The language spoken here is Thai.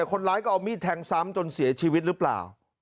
คนร้ายก็เอามีดแทงซ้ำจนเสียชีวิตหรือเปล่า